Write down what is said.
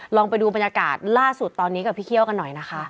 ลองไปดูบรรยากาศล่าสุดตอนนี้กับพี่เคี่ยวกันหน่อยนะคะ